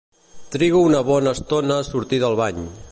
Trigo una bona estona a sortir del bany.